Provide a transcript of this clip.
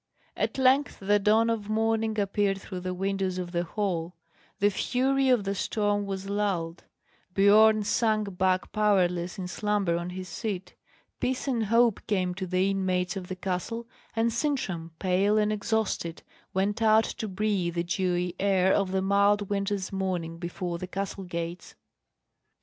At length the dawn of morning appeared through the windows of the hall, the fury of the storm was lulled, Biorn sank back powerless in slumber on his seat, peace and hope came to the inmates of the castle, and Sintram, pale and exhausted, went out to breathe the dewy air of the mild winter's morning before the castle gates.